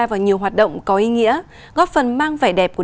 vào nhiều hoạt động có ý nghĩa góp phần mang vẻ đẹp của